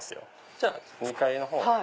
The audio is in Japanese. じゃあ２階のほう。